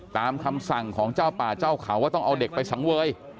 ตามคำสั่งของเจ้าป่าเจ้าเขาว่าต้องเอาเด็กไปสังเวย